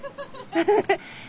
フフフ。